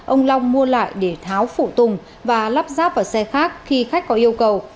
ông long mua lại để tháo phụ tùng và lắp ráp vào xe khác khi khách có yêu cầu